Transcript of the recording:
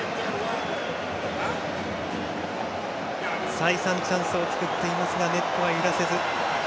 再三チャンスを作っていますがネットは揺らせず。